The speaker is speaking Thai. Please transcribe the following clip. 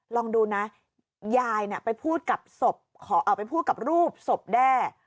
ลองดูนะยายน่ะไปพูดกับรูปศพแด้